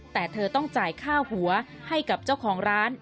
แต่เธอต้องจ่ายค่าหัวให้กับเจ้าของร้าน